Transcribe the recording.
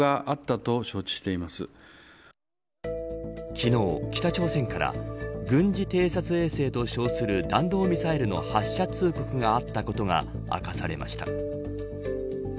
昨日、北朝鮮から軍事偵察衛星と称する弾道ミサイルの発射通告があったことが明かされました。